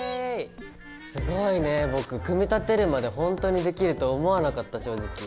すごいね僕組み立てるまでほんとにできると思わなかった正直。